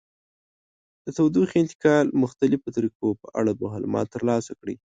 د تودوخې انتقال مختلفو طریقو په اړه معلومات ترلاسه کړئ.